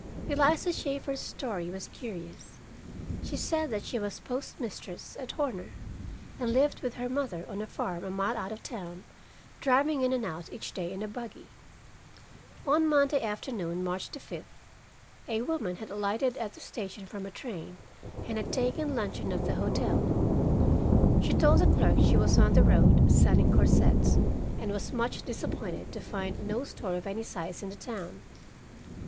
Eliza Shaeffer's story was curious. She said that she was postmistress at Horner, and lived with her mother on a farm a mile out of the town, driving in and out each day in a buggy. On Monday afternoon, March the fifth, a woman had alighted at the station from a train, and had taken luncheon at the hotel. She told the clerk she was on the road, selling corsets, and was much disappointed to find no store of any size in the town.